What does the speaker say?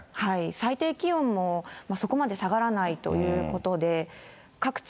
最低気温もそこまで下がらないということで、各地、